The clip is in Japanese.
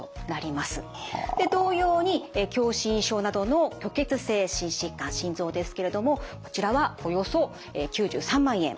同様に狭心症などの虚血性心疾患心臓ですけれどもこちらはおよそ９３万円。